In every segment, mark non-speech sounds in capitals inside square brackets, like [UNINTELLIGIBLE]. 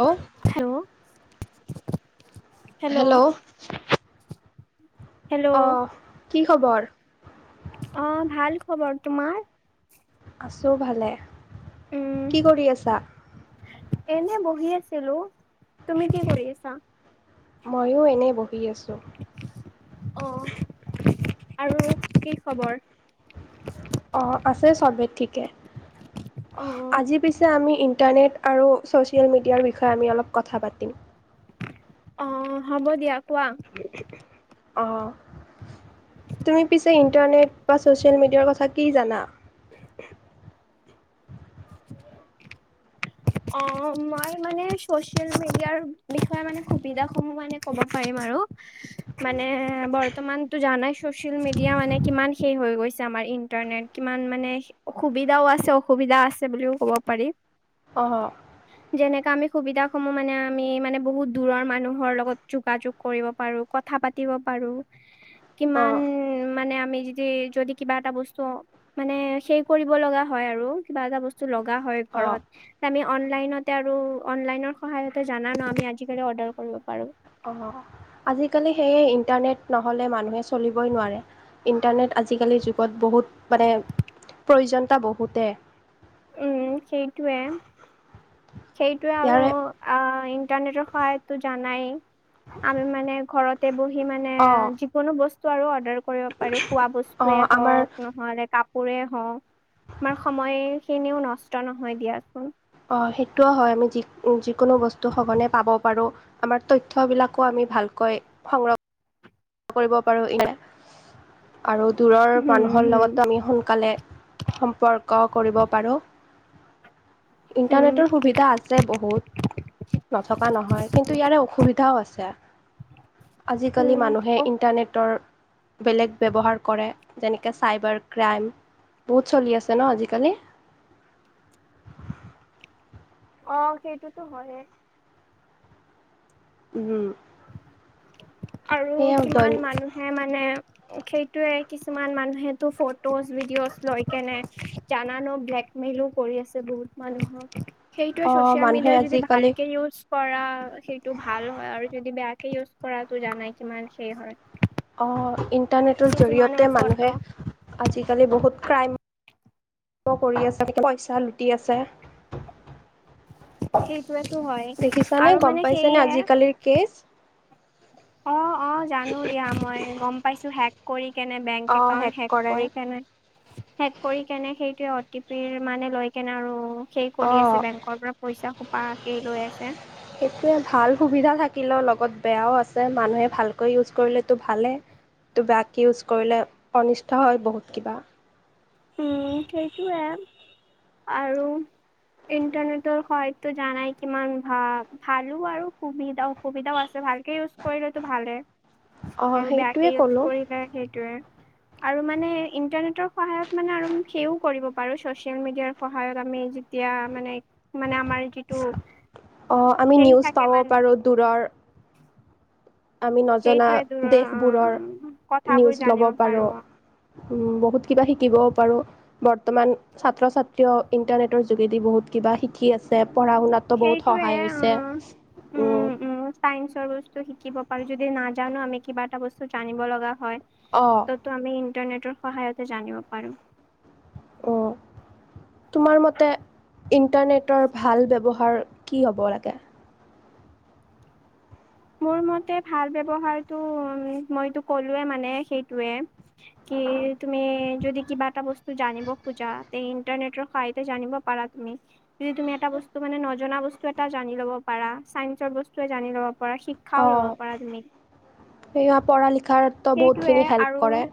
Hello hello hello hello অ কি খবৰ? অ ভাল খবৰ তোমাৰ আছো ভালে উম। কি কৰি আছা এনে বহি আছিলো তুমি কি কৰি আছা ময়ো এনেই বহি আছো অ আৰু কি খবৰ অ আছে চবেই ঠিকে অ আজি পিছে আমি ইণ্টাৰনেট আৰু ছ'চিয়েল মিডিয়াৰ বিষয়ে আমি অলপ কথা পাতিম অ হ'ব দিয়া কোৱা অ তুমি পিছে ইণ্টাৰনেট বা ছ'চিয়েল মিডিয়াৰ কথা কি জানা [UNINTELLIGIBLE] অ মই মানে ছ'চিয়েল মিডিয়াৰ বিষয়ে মানে সুবিধাসমূহ মানে ক'ব পাৰিম আৰু মানে বৰ্তমানতো জানাই ছ'চিয়েল মিডিয়া মানে কিমান শেষ হৈ গৈছে আমাৰ ইণ্টাৰনেট কিমান মানে সুবিধাও আছে অসুবিধা আছে বুলিও ক'ব পাৰি অ যেনেকাে আমি সুবিধা সমূহ মানে আমি মানে বহুত দূৰৰ মানুহৰ লগত যোগাযোগ কৰিব পাৰো কথা পাতিব পাৰো উ কিমান মানে আমি য যদি কিবা এটা বস্তু মানে সেই কৰিব লগা হয় আৰু কিবা এটা বস্তু লগা হয় অঁ ঘৰত। আমি অনলাইনতে আৰু অনলাইনৰ সহায়ত জানা ন আমি আজিকালি অৰ্ডাৰ কৰিব পাৰোঁ। অ আজিকালি সেয়ে ইণ্টাৰনেট নহ'লে মানুহে চলিবই নোৱাৰে। ইণ্টাৰনেট আজিকালি যুগত বহুত মানে প্ৰয়োজনতা বহুতে। উম সেইটোৱে সেইটোৱে ইয়াৰে আ ইন্টাৰনেটৰ সহায়টো যানাই আমি মানে ঘৰতে বহি মানে অঁ। যিকোনো বস্তু আৰু অৰ্ডাৰ কৰিব পাৰো খোৱা অঁ বস্তুৱয়ে আমাৰ হওক নহলে ক কাপোৰে হওঁক আমাৰ সময়খিনিও নষ্ট নহয় দিয়াচোন অঁ সেইটোও হয় আমি যি যিকোনো বস্তু সঘনে পাব পাৰোঁ আমাৰ তথ্য বিলাকো আমি ভালকৈ সংৰক্ষ কৰিব পাৰো ই আৰু দূৰৰ হুম, মানুহৰ হুম, লগতো আমি সোনকালে সম্পৰ্ক কৰিব পাৰো। উম, ইণ্টাৰনেটৰ সুবিধা আছে বহুত। নথকা নহয় কিন্তু ইয়াৰে অসুবিধাও আছে আজিকালি উম, মানুহে অ', তৰ বেলেগ ব্যৱহাৰ কৰে যেনেকে চাইবাৰ ক্ৰাইম। বহুত চলি আছে ন আজিকালি? অ সেইটোতো হয়ে। উম। আৰু সেয়ে দৈন কিমান মানুহে মানে সেইটোয়ে কিছুমান মানুহেতো ফটোজ ভিডিঅ'জ লৈ কেনে জানানক ব্লেকমেইলো কৰি আছে বহুত মানুহক। সেইটোৱে অ' ছ'চিয়েল মানুহে মিডিয়াৰ যদি আজিকালি ভালকে ইউজ কৰা সেইটো ভাল হয় আৰু যদি বেয়াকে ইউজ কৰাটো জানাই কিমান সেই হয়। অ ইণ্টাৰনেটৰ কিছুমানৰ জৰিয়তে ফটো মানুহে আজিকালি বহুত ক্ৰাইম কৰি আছে পইচা লুটি আছে। সেইটোৱেতো হয়। দেখিছানে আৰু গম মানে পাইছানে সেয়ে আজিকালিৰ কেচ। অ অ জানো দিয়া মই গম পাইছো হেক কৰি কেনে বেংক অঁ একাউণ্ট হেক কৰে কৰি কেনে হেক কৰি কেনে সেইটো অ টি পিৰ মানে লৈ কেনে আৰু সেই কৰি অঁ আছে বেংকৰ পৰা পইচা খোপা সেই লৈ আছে। সেইটোৱে ভাল সুবিধা থাকিলেও লগত বেয়াও আছে মানুহে ভালকৈ ইউজ কৰিলেতো ভালে। তো বেয়াকে ইউজ কৰিলে অনিষ্ট হয় বহুত কিবা। সেইটোৱে আৰু ইণ্টাৰনেটৰ সহায়তো জানাই কিমান ভাল ভালো আৰু সুবিধাও সুবিধাও আছে ভালকে ইউজ কৰিলেতো ভালে। অঁ আৰু সেইটোৱে বেয়াকে ইওজ ক'লোঁ কৰিলে সেইটোয়ে আৰু মানে ইন্টাৰনেটৰ সহায়ত মানে আৰু সেইও কৰিব পাৰো চচিয়েল মিডিয়াৰ সহায়ত আমি যেতিয়া মানে মানে আমাৰ যিটো অ আমি সেই নিউজ থাকে পাব মান পাৰোঁ দূৰৰ। আমি নজনা সেইটোৱে দূৰ দেশবোৰৰ কথাবোৰ নিউজ ল'ব জানিব পাৰো পাৰোঁ। উম, বহুত কিবা শিকিবও পাৰোঁ। বৰ্তমান ছাত্ৰ-ছাত্ৰীও ইন্টাৰনেটৰ যোগেদি বহুত কিবা শিকি আছে পঢ়া শুনাত ত' বহুত সেইটোৱে সহায় হৈছে, উম। চায়ন্সৰ বস্তু শিকিব পাৰো, যদি নাজানো আমি কিবা এটা বস্তু জানিব লগা হয়। অ'। ত'টো আমি ইণ্টাৰনেটৰ সহায়তে জানিব পাৰোঁ। অ'। তোমাৰ মতে ইণ্টাৰনেটৰ ভাল ব্যৱহাৰ, কি হ'ব লাগে? মোৰ মতে, ভাল ব্যৱহাৰটো মইতো ক'লোৱে মানে সেইটোয়ে। কি, তুমি যদি কিবা এটা বস্তু জানিব খোজা তে ইণ্টাৰনেটৰ সহায়তে জানিব। পাৰা তুমি। যদি তুমি, এটা বস্তু মানে নজনা বস্তু এটা জানি ল'ব পাৰা, চাইন্সৰ বস্তুৱে জানি ল'ব পাৰা, শিক্ষাও ল'ব পাৰা তুমি। সেইয়া পঢ়া-লিখাৰ ট' সেইটোৱে বহুতখিনি হেল্প আৰু কৰে।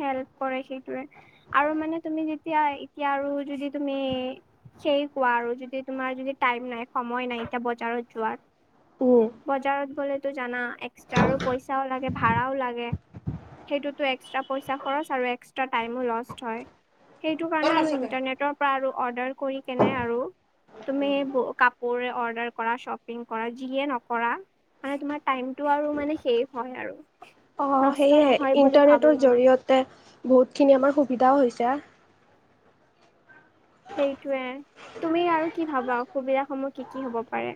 হেল্প কৰে সেইটোৱে, আৰু মানে তুমি যেতিয়া এতিয়া আৰু যদি তুমি সেই কোৱা আৰু, যদি তোমাৰ যদি টাইম নাই, সময় নাই, এতিয়া বজাৰত যোৱাৰ বজাৰত গ'লেতো জানা এক্সট্ৰা আৰু পইচাও লাগে। চাগে সেইটোতো, এক্সট্ৰা পইছা খৰচ আৰু এক্সট্ৰা টাইমো লষ্ট হয়। সেইটো কাৰণে আৰু ইন্টাৰনেটৰ পৰা আৰু অৰ্ডাৰ কৰি কিনে আৰু, তুমি বু কাপোৰ অৰ্ডাৰ কৰা চপ পিং কৰা। যিয়ে নকৰা, মানে আৰু টাইমটো আৰু চেফ হয় আৰু। অ', নষ্ট সেইয়াই নহয় বুলি ভাবো ইণ্টাৰনেটৰ মই জৰিয়তে বহুতখিনি আমাৰ সুবিধাও হৈছে। সেইটোয়ে, তুমি আৰু কি ভাবা, অসুবিধাস সমূহ কি, কি হ'ব পাৰে?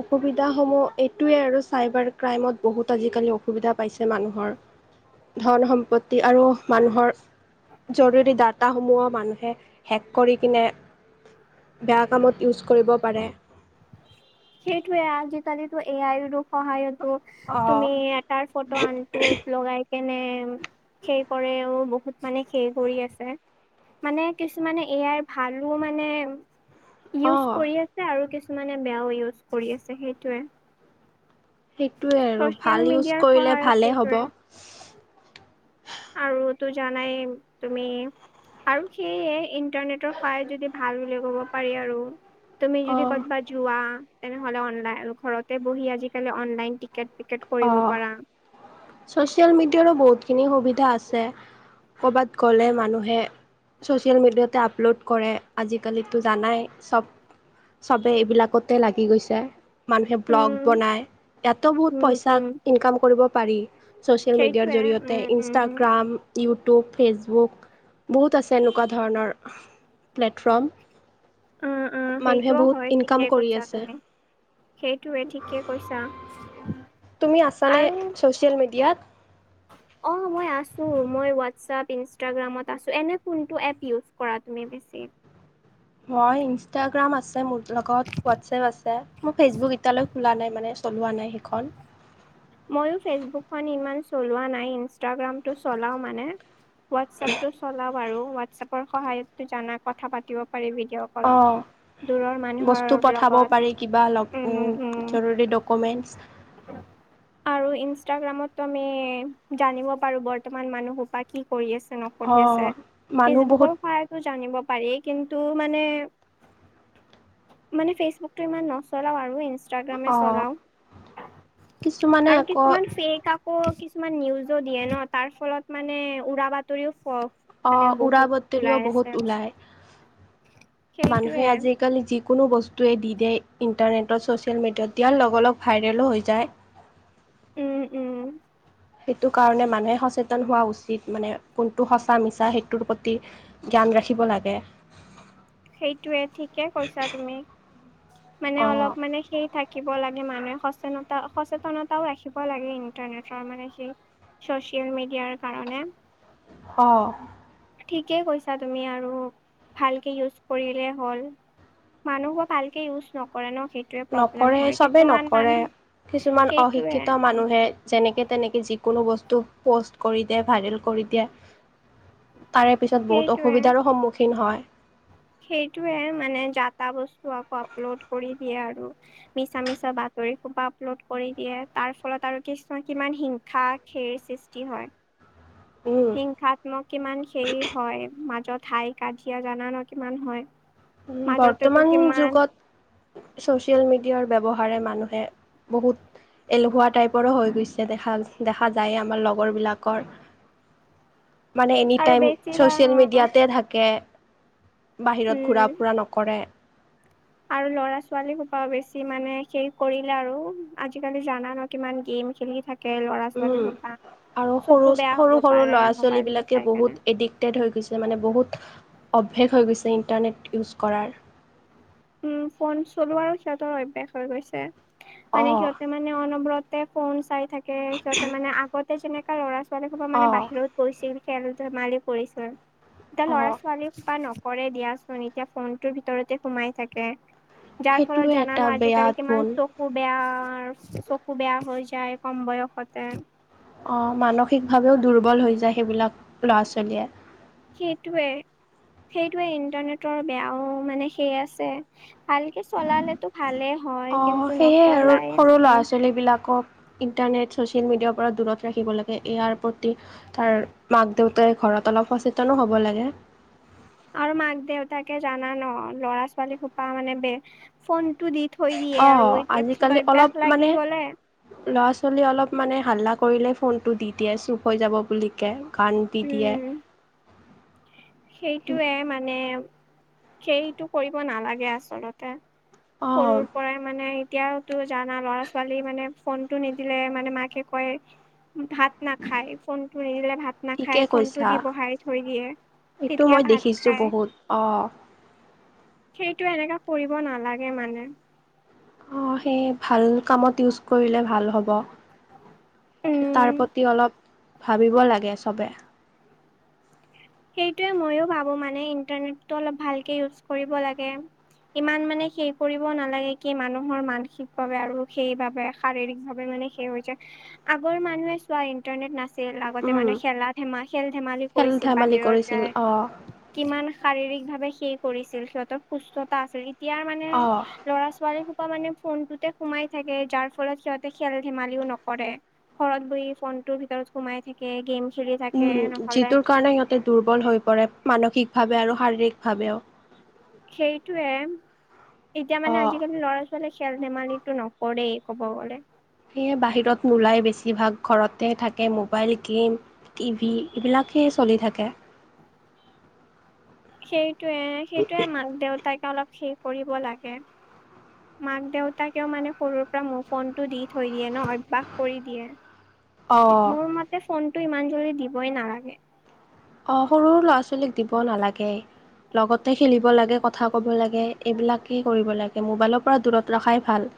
অসুবিধাস সমূহ এইটোৱে আৰু, চাইবাৰ ক্ৰাইমত বহুত আজিকালি অসুবিধা পাইছে মানুহৰ। ধন-সম্পত্তি আৰু মানুহৰ জৰুৰী ডাটাসমূহ মানুহে হেক কৰি কিনে বেয়া কামত ইউজ কৰিব পাৰে। সেইটোৱে আজিকালিটো এ আইৰো সহায়তো তুমি, অ'। এটাৰ ফ'টো আনটোত লগাই এনে সেই কৰেও বহুত মানে সেই কৰি আছে। মানে কিছুমানে এ আইৰ ভালো মানে ইউজ অ', কৰি আছে, আৰু কিছুমানে বেয়াও ইউজ কৰি আছে সেইটোৱে। সেইটোৱে আৰু ছচিয়েল ভাল ইউজ মিডিয়াৰ কৰিলে সহায়ত ভালেই হ'ব। সেইটোৱে আৰুতো জানাই তুমি আৰু সেয়ে ইণ্টাৰনেটৰ সহায় যদি ভাল বুলি ক'ব পাৰি আৰু। তুমি যদি অ', ক'তবাত যোৱা, তেনেহ'লে অনলাইন ঘৰতে বহি আজিকালি অনলাইন টিকেট-চিকেট অ'। কৰিব পাৰা। ছচিয়েল মিডিয়াৰো বহুতখিনি সুবিধা আছে, কৰ'বাত গ'লে মানুহে ছ'চিয়েল মিডিয়াতে আপলোড কৰে, আজিকালিতো জানাই চব। চবে এইবিলাকতে লাগি গৈছে। মানুহে ব্লগ উম, বনাই, ইয়াতো বহুত উম, পইচা উম, ইনকাম কৰিব পাৰি। ছচিয়েল মিডিয়াৰ সেইটোৱে জৰিয়তে উম, উম। উম, ইনষ্টাগ্ৰাম ইউটিউব, ফেচবুক বহুত আছে এনেকুৱা ধৰণৰ। উম, উম প্লেটফ্ৰৰ্ম। মানুহে সেইটোও হয় বহুত ইনকাম ঠিকেই কৰি কৈছা আছে পইচা। তুমি আছানে ছ'চিয়েল মিডিয়াত? অঁ, মই আছো। মই হোৱাটছএপ, ইনষ্টাগ্ৰামত আছো। এনে কোনটো এপ ইউজ কৰা তুমি বেছিকে? মই ইনষ্টাগ্ৰাম আছ ছে মোৰ লগত হোৱাটছএপ আছে। মোৰ ফেচবুক এতিয়ালৈ খোলা নাই মানে, চলোৱা নাই সেইখন। মইয়ো ফেচবুকখন ইমান চলোৱা নাই ইনষ্টাগ্ৰামটো চলাও মানে। হোৱাটছএপটো চলাওঁ আৰু হোৱাটছএপৰ সহায়তটো জানা কথা পাতিব পাৰি, ভিডিঅ' কলত। অঁ, দূৰৰ মানুহৰ বস্তু পঠাব লগত পাৰি, কিবা লব উম জৰুৰী ডক কমেণ্টছ আৰু ইনষ্টাগ্ৰামটো আমি জানিব পাৰো বৰ্তমান মানুহ সোপা কি কৰি আছে। ন অঁ পঠিয়াইছে, এই মানুহ বহুত ফেচবুকৰ সহায়ত জানিব পাৰি কিন্ত মানে মানে ফেচবুকটো ইমান নচলাওঁ আৰু ইনষ্টাগ্ৰামে অ', চলাওঁ। কিছুমানে আৰু আকৌ কিছুমান ফেক্‌ আপ অ কিছুমান নিউজো দিয়ে ন। তাৰ ফলত মানে উৰা বাতৰিও ফ মানে অঁ, বহুত ওলাই উৰাবাতৰিও আছে বহুত ওলায়। মানুহে সেইটোয়ে আজি কালি যিকোনো বস্তুৱে দি দিয়ে। ইণ্টাৰনেটত ছ'চিয়েল মিডিয়াত দিয়াৰ লগে লগ ভাইৰেলো হৈ যায়। উম, উম। সেইটো কাৰণে মানুহে সচেতন হোৱা উচিত। মানে কোনটো সঁচা মিছা সেইটোৰ প্ৰতি। ধ্যান ৰাখিব লাগে। সেইটোয়ে। ঠিকে কৈছা তুমি। মানে অলপ অ', মানে সেই থা কিব লাগে। মানুহে সচেনতা সচেতনতাও ৰাখিব লাগে। ইণ্টাৰনেটৰ মানে সি চচিয়েল মেডিয়াৰ কাৰণে হঁ--অঁ। ঠিকেই কৈছা তুমি আৰু ভালকে ইউজ কৰিলে হ'ল। মানুহো ভালকে ইউজ নকৰে ন'। সেই নকৰে, চবেই নকৰে। কিছুমান সেইটোয়ে অশিক্ষিত মানুহে যেনেকে তেনেকে যিকোনো বস্তু পষ্ট কৰি দিয়ে। ভাইৰেল কৰি দিয়ে। তাৰে পিছত বহুত সেইটোয়ে অসুবিধাৰো সন্মুখীন হয়। সেইটোয়ে, মানে যা-তা বস্তু আকৌ আপলোড কৰি দিয়ে আৰু। মিছা মিছা বাতৰি সোপা আপলোড কৰি দিয়ে। তাৰ ফলত আৰু কিছুমান কিমান হিংসা ধেৰ সৃষ্টি হয়। উম, হিংসাত্মক কিমান হেৰি হয়। মাজত হাই -কাজিয়া জানা ন'কিমান হয়। উম, মাজতেতো বৰ্তমান কিমান যুগত ছ'চিয়েল মেডিয়াৰ ব্যৱহাৰে মানুহে বহুত এলেহুৱা টাইপৰো হৈ গৈছে দেখা দেখা যায় আমাৰ লগৰ বিলাকৰ। মানে আৰু এনিটাইম বেছি বা ছ'চিয়েল অ, মিডিয়াতে থাকে। বাহিৰত উম ঘূৰা কৰে। আৰু ল'ৰা-ছোৱালী সোপাও বেছি মানে সেই কৰিলে আৰু আজিকালি জানা ন'কিমান গেম খেলি থাকে। কে-ল'ৰা ছোৱালী উম সোপা আৰু সৰু চকু বেয়া সৰু হব পাৰে। মোবাইল বোৰ চাই থাকে। টেড হৈ গৈছে। মানে বহুত অভ্যেদ হৈ গৈছে, ইণ্টাৰনেট ইউজ কৰাৰ। উম, ৰ্পন চলোৱাৰো সিহঁতৰ অভ্যাস হৈ গৈছে। মানে অঁ সিহঁতে মা মানে অনবৰতে ৰ্পন চাই থাকে। সিহঁতে মানে আগতে যেনেকা ল'ৰা ছোৱালী সোপা মানে অঁ বাহিৰত কৰিছিল। খেল-ধেমালিও কৰিছিল। এতিয়া ল'ৰা অঁ ছোৱালী বা নকৰে দিয়াচোন এতিয়া ফোনটোৰ ভিতৰতে সোমাই থাকে। যাৰ ফলত সেইটোৱে এটা জানো আজি বেয়া কালি কিমান গুণ চ চকু বেয়া চকু বেয়া হৈ যায়। কম বয়সতে অঁ মানসিকভাৱেও দুৰ্বল হৈ যায় সেইবিলাক ল'ৰা ছোৱালীয়ে। সেইটোৱে সেইটোৱে ইণ্টাৰনেটৰ বেয়াও মানে সেই আছে। ভালকে চলালেতো ভালেই হয় অ', কিন্তু সেয়ে আৰু নচলায়ে সৰু ল'ৰা মানুহ। ছোৱালীবিলাকক ইণ্টাৰনেট ছ'চিয়েল মিডিয়াৰ পৰা দূৰত ৰাখিব লাগে ইয়াৰ প্ৰতি- তাৰ মাক দেউতাই ঘৰত অলপ সচেতনো হ'ব লাগে। আৰু মাক দেউতাাকে জা ন ল'ৰা ছোৱালী হোপা মানে বে ফোনটো দি। থৈ দিয়ে আৰু অ', এতিয়া পিছত আজিকালি অলপ অভ্যাস মানে লাগি গলে। ল'ৰা ছোৱালী অলপ মানে হাল্লা কৰিলে ফোনতটো দি দিয়ে চুপ হৈ যাব বুলি কে। কান্দি দি দিয়ে। সেইটোয়ে মানে সেইটো কৰিব নালাগে আচলতে- সৰুৰ অ', পৰাই মানে এতিয়া। জানা ল'ৰা ছোৱালী মানে ফোনটো নিদিলে মানে মাকে কয় ভাত নাখায় ফোনতটো নিদিলে ভাত ঠিকে নাখায়। ফোন টো কৈছা দি বহাই থৈ দিয়ে। এইটো তেতিয়া মই ভাত দেখিছোঁ খাই বহুত অঁ সেইটো এনেককাে কৰিব নালাগে মানে। অঁ সেই ভাল কামত ইউজ কৰিলে ভাল হ'ব। তাৰ উম প্ৰতি অলপ ভাবিব লাগে চবে। সেইটোৱে ময়ো ভাবো মানে ইন্টাৰনে অলপ ভালক কৰিব লাগে। ইমান মানে সে কৰিব নালাগে কি মানুহৰ মানসিকভাৱে আৰু সেইবাবে শাৰীৰিক ভাৱে মানে। হৈছে আগৰ মানুহে- চোৱা ইণ্টাৰনেট নাছিল আ লগতে উম মানুহে খেলা ধমা খেল ধেমালি খেল কৰিছিল বাকী ত ধেমালি বাহিৰত কৰিছিল যায় অ', কিমান শাৰীৰিক ভাৱে সেই কৰিছিল সিহঁতৰ সুস্থতা আছিল। এতিয়াৰ মানে অ', ল'ৰা ছোৱালী সোপা মানে ফোনটোতে সোমাই থাকে যাৰ ফলত সিহঁতে খেল ধেমালিও নকৰে। ঘৰত বহি ফোনটো ভিতৰত সোমাই থাকে গেম খেলি থাকে উম, নহলে। যিটোৰ কাৰণে সিহঁতে দুৰ্বল হৈ পৰে মানসিকভাৱে আৰু শাৰীৰিকভাৱেও সেইটোয়ে এতিয়া মানে অ', আজিকালি ল'ৰা ছ খেল ধেমালিটো নকৰেই ক'ব গ'লে। সেয়ে বাহিৰত নোলাই বেছিভাগ ঘৰতে থাকে মোবাইল গেম টিভি এইবিলাকেই চলি থাকে। সেইটয়ে সেইটোয়ে মাক দেউতাকে অলপ সেষ কৰিব লাগে। মাক দেউতাকেও মানে সৰুৰ পৰা মোৰ ফোন টো দি থৈ দিয়ে ন অভ্যয়াস কৰি দিয়ে। উ মোৰ মতে ফোনটো ইমান জল্দি দিবই নালাগে। অ সৰু ল'ৰা ছোৱালীক দিব নালাগে। লগতে খেলিব লাগে কথা ক'ব লাগে এইবিলাকেই কৰিব লাগে মোবাইলৰ পৰা দূৰত ৰখাই ভাল।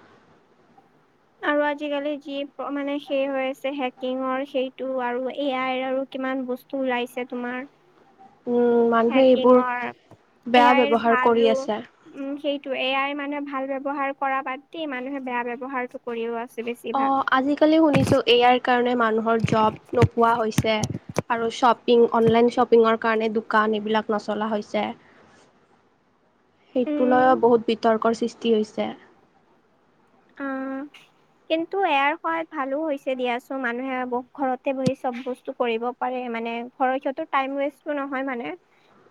আৰু আজিকালি যি মানে সেই হৈ আছে হেকিঙৰ সেইটো আৰু এ আইৰ আৰু কিমান বস্তু টো ওলাইছে তোমাৰ উম মানুহে এইবোৰ হেকিঙৰ এ বেয়া আইৰ ব্যৱহাৰ কৰি ভালো আছে। উম সেইটো এয়াই মানুহে ভাল ব্যৱহাৰ কৰা বাদ দি মানুহে বেয়া ব্য়ৱহাৰটো। কৰিব আছে বছি। অ আজিকালি শুনিছো এয়াৰ কাৰণে মানুহৰ জব নোপোৱা হৈছে। আৰু চব শ্বপিং অনলাইন শ্বপিঙৰ কাৰণে দোকান এইবিলাক নচলা হৈছে উম সেইটোলৈ ও বহুত বিতৰ্কৰ সৃষ্টি হৈছে অ কিন্তু এয়াৰ সহায়ত ভালো হৈছে দিয়াচোন মানুহে বহু ঘৰতে বহি চব বস্তু কৰিব পাৰে মানে ঘৰৰ সিহঁতৰ টাইম ৱেইচটো নহয় মানে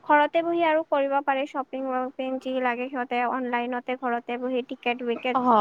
ঘৰতে বহি আৰু কৰিব পাৰে শ্বপিং ৱপিং যি লাগে সিহঁতে অনলাইনতে ঘৰত [UNINTELLIGIBLE] অ'